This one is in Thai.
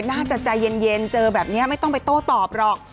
น่าจะใจเย็นเจอแบบนี้ไม่ต้องไปโต้ตอบหรอก